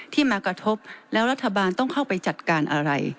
มากระทบแล้วรัฐบาลต้องเข้าไปจัดการอะไร